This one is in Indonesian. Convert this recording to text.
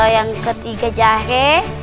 yang ketiga jahe